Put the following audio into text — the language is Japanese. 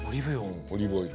うんオリーブオイル。